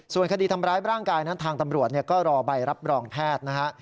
ส่วนคดีทำร้ายร่างกายนั้นทางตำรวจก็รอใบรับรองแพทย์นะฮะ